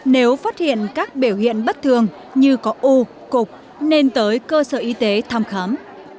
nếu phát hiện các biểu hiện bất thường như có u cục nên tới cơ sở y tế thăm khám